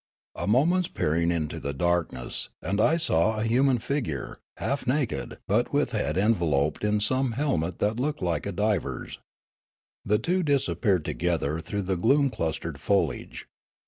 A moment's peering into the dark ness, and I saw a human figure, half naked, but with head enveloped in some helmet that looked like a diver's. The two disappeared together through the gloom clustered foliage.